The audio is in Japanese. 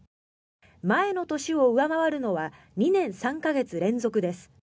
前の年を上回るのは２年３か月連続です。